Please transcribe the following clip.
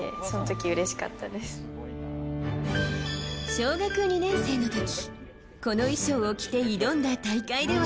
小学２年生の時この衣装を着て挑んだ大会では。